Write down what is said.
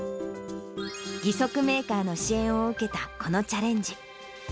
義足メーカーの支援を受けたこのチャレンジ。